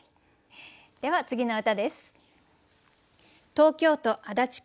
では次の歌です。